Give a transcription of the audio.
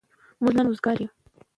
موږ نن وزگار يو.